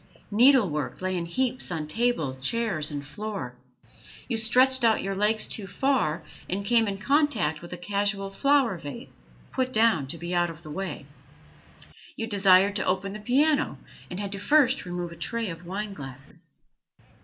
Needlework lay in heaps on table, chairs, and floor; you stretched out your legs too far, and came in contact with a casual flower vase, put down to be out of the way; you desired to open the piano, and had first to remove a tray of wineglasses.